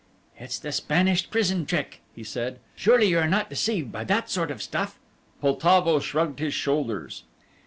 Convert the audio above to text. "It's the Spanish prison trick," he said; "surely you are not deceived by that sort of stuff?" Poltavo shrugged his shoulders.